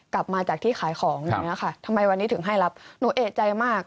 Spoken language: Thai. กลับมาจากที่ขายของอย่างเงี้ยค่ะทำไมวันนี้ถึงให้รับหนูเอกใจมาก